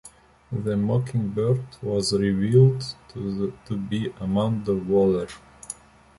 This Mockingbird was revealed to be Amanda Waller.